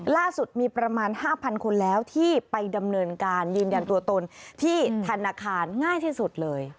ล่าสุดมีประมาณ๕๐๐คนแล้วที่ไปดำเนินการยืนยันตัวตนที่ธนาคารง่ายที่สุดเลย